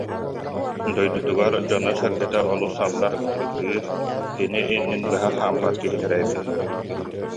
Дойдутугар дьоно-сэргэтэ олус саллар, ытыктыыр, кини иннин быһа хаампат киһилэрэ эбит